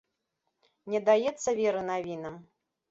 Не даецца веры навінам.